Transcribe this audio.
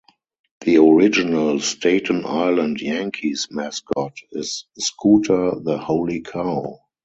The original Staten Island Yankees Mascot is Scooter the "Holy Cow".